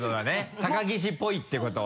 高岸っぽいってことは。